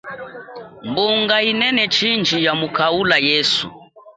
Mbunga inene chindji ya mukaula yesu.